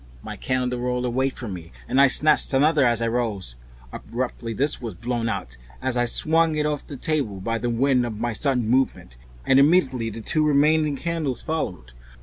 My candle rolled away from me and I snatched another as I rose. Abruptly this was blown out as I swung it off the table by the wind of my sudden movement, and immediately the two remaining candles followed.